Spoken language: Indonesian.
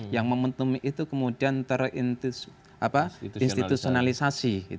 yang momentum itu kemudian terinstitutionalisasi